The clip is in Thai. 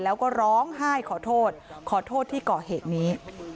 แล้วก็ร้องไห้ขอโทษขอโทษที่ก่อเหตุนี้